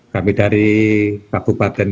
kami dari kabupaten